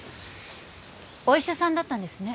お医者さんだったんですね。